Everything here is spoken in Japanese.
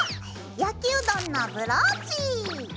焼きうどんのブローチ。